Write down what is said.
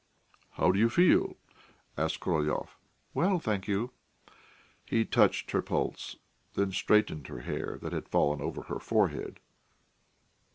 "How do you feel?" asked Korolyov. "Well, thank you." He touched her pulse, then straightened her hair, that had fallen over her forehead.